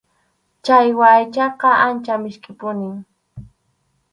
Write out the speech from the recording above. Challwa aychaqa ancha miskʼipunim.